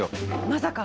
まさか。